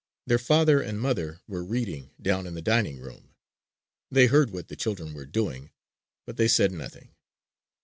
Their father and mother were reading down in the dining room. They heard what the children were doing; but they said nothing.